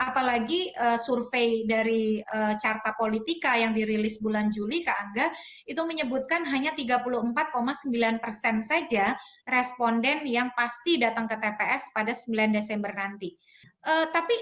pemilih pemilih yang pasti datang ke tps pada sembilan desember nanti